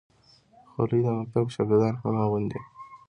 خولۍ د مکتب شاګردان هم اغوندي.